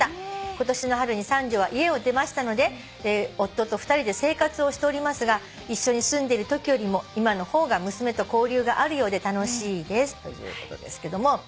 「今年の春に三女は家を出ましたので夫と２人で生活をしておりますが一緒に住んでるときよりも今の方が娘と交流があるようで楽しいです」ということですけども。